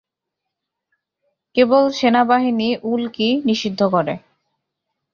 কেবল সেনাবাহিনী উল্কি নিষিদ্ধ করে।